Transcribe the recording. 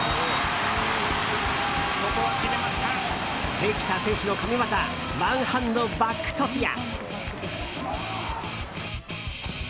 関田選手の神業ワンハンドバックトスや。